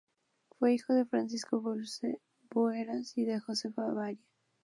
Fue hijo de Francisco Bueras y de Josefa Avaria.